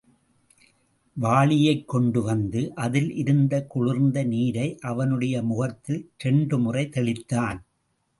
வாளியைக் கொண்டு வந்து அதில் இருந்த குளிர்ந்த நீரை அவனுடைய முகத்தில் இரண்டுமுறை தெளித்தான்.